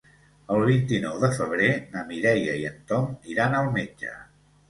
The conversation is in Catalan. El vint-i-nou de febrer na Mireia i en Tom iran al metge.